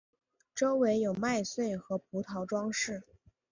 周围有麦穗和葡萄装饰。